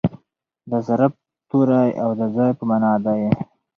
د ظرف توری او د ځای په مانا دئ.